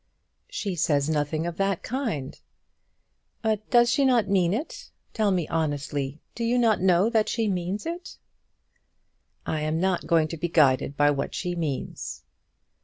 "She says nothing of the kind." "But does she not mean it? Tell me honestly; do you not know that she means it?" "I am not to be guided by what she means."